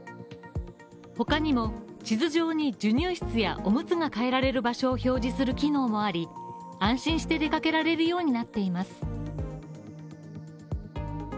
他にも、地図上に授乳室やオムツが変えられる場所を表示する機能もあり、安心して出かけられるようになっています